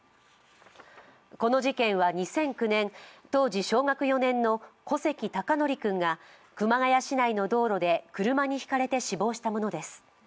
この事件は２００９年、当時小学４年の小関孝徳君が熊谷市内の道路で車にひかれて死亡したものです。